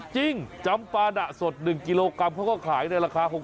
จริงจำปาดะสด๑กิโลกรัมเขาก็ขายในราคา